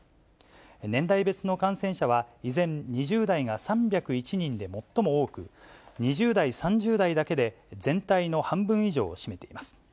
年代別の感染者は、依然、２０代が３０１人で最も多く、２０代、３０代だけで全体の半分以上を占めています。